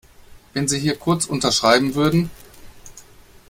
Wenn Sie hier kurz unterschreiben würden.